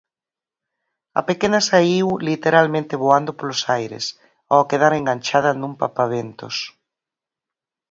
A pequena saíu literalmente voando polos aires, ao quedar enganchada nun papaventos.